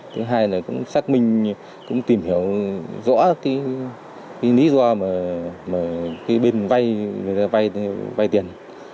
thứ hai là cũng xác minh cũng tìm hiểu rõ cái lý do mà cái bên vay tiền